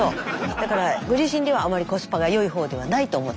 だからご自身ではあまりコスパが良い方ではないと思ってらっしゃるんですか？